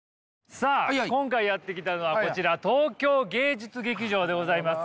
さあ今回やって来たのはこちら東京芸術劇場でございます。